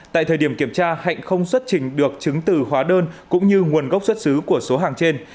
tại thời điểm kiểm tra hạnh không xuất trình được chứng từ hóa đơn cũng như nguồn gốc xuất xứ của số hàng trên